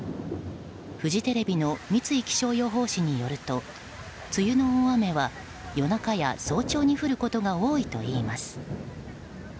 フジテレビの三井気象予報士によると梅雨の大雨は、夜中や早朝に降ることが多いといいます。